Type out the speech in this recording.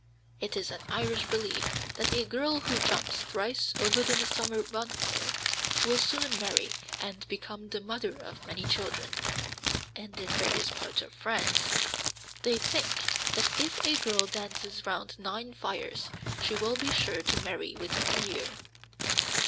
It is an Irish belief that a girl who jumps thrice over the midsummer bonfire will soon marry and become the mother of many children; and in various parts of France they think that if a girl dances round nine fires she will be sure to marry within a year.